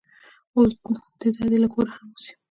اوس دا دی له کوره هم وځي.